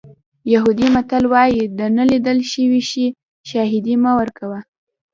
یهودي متل وایي د نه لیدل شوي شي شاهدي مه ورکوه.